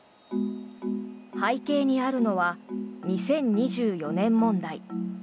背景にあるのは２０２４年問題。